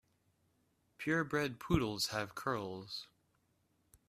Pure bred poodles have curls.